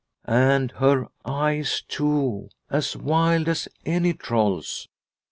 And her eyes, too, as wild as any troll's !